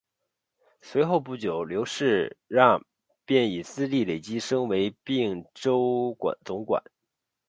随后不久刘世让便以资历累积升为并州总管。